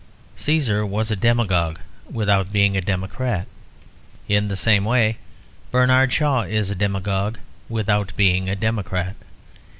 Cæsar was a demagogue without being a democrat. In the same way Bernard Shaw is a demagogue without being a democrat.